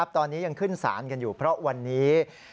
ตอนนี้ยังขึ้นศาลกันอยู่เพราะวันนี้